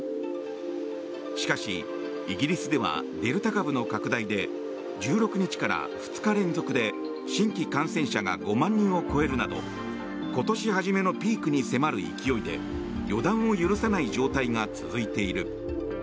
しかし、イギリスではデルタ株の拡大で１６日から２日連続で新規感染者が５万人を超えるなど今年初めのピークに迫る勢いで予断を許さない状態が続いている。